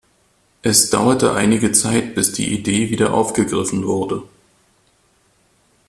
Es dauerte einige Zeit, bis die Idee wieder aufgegriffen wurde.